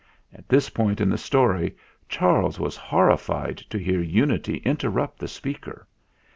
At this point in the story Charles was horrified to hear Unity interrupt the speak er.